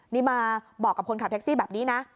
นี่มาบอกกับคนขับแท็กซี่แบบนี้นะ